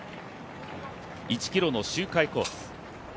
１ｋｍの周回コース。